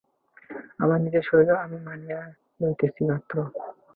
আমার নিজের শরীরও আমি মানিয়া লইতেছি মাত্র।